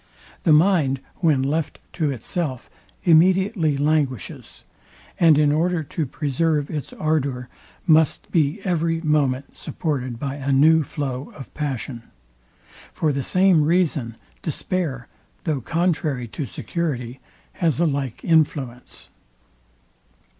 The mind, when left to itself, immediately languishes; and in order to preserve its ardour, must be every moment supported by a new flow of passion. For the same reason, despair, though contrary to security, has a like influence.